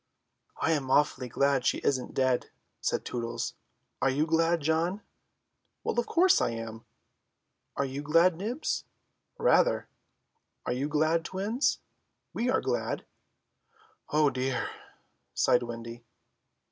"I am awfully glad she isn't dead," said Tootles. "Are you glad, John?" "Of course I am." "Are you glad, Nibs?" "Rather." "Are you glad, Twins?" "We are glad." "Oh dear," sighed Wendy.